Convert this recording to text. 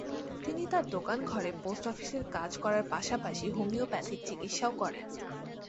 তিনি তাঁর দোকানঘরে পোস্ট অফিসের কাজ করার পাশাপাশি হোমিওপ্যাথিক চিকিৎসাও করেন।